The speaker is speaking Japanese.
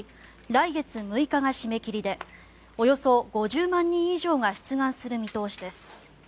来月６日が締め切りでおよそ５０万人以上が出願する見通しです。